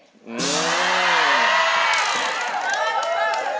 อืม